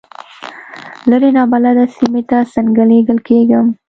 لرې نابلده سیمې ته څنګه لېږل کېږم.